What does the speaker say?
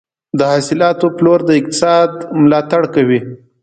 د حاصلاتو پلور د اقتصاد ملاتړ کوي.